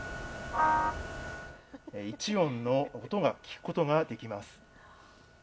１音の音を聞くことができます。